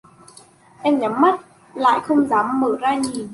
Em nhắm mắt lại không dám mở ra nhìn